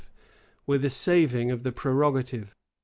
with a saving of the prerogative.